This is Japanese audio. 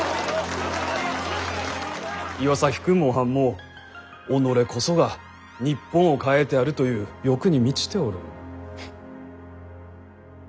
岩崎君もおはんも己こそが日本を変えてやるという欲に満ちておる。